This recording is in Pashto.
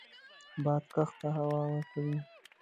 باد کښت ته هوا ورکوي